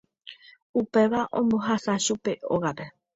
Upéva ombohasa chupe hógape.